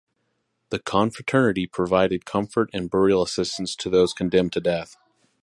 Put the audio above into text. The confraternity provided comfort and burial assistance to those condemned to death.